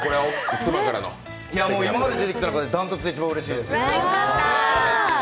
今まで出てきた中で断トツでうれしいです。